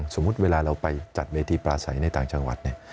สมมุติเวลาเราไปจัดเวทีปลาใสในต่างจังหวัดเนี่ย